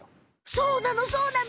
そうなのそうなの。